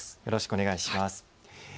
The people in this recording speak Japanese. よろしくお願いします。